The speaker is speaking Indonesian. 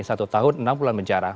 satu tahun enam bulan penjara